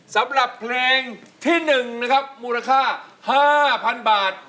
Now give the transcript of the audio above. สำหรับเพลงที่๑นะครับมูลค่า๕๐๐๐บาท